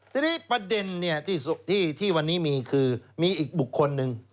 ทีนี้ประเด็นที่วันนี้มีคือมีอีกบุคคลหนึ่ง